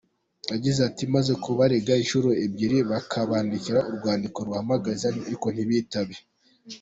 Yagize ati“Maze kubarega inshuro ebyiri bakabandikira urwandiko rubahamagaza ariko ntibitabe.